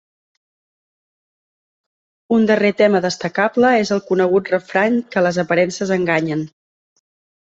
Un darrer tema destacable és el conegut refrany que les aparences enganyen.